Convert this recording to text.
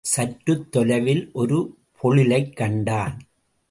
சற்றுத் தொலைவில் ஒரு பொழிலைக் கண்டான்.